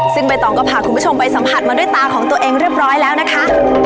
ซึ่งใบตองก็พาคุณผู้ชมไปสัมผัสมาด้วยตาของตัวเองเรียบร้อยแล้วนะคะ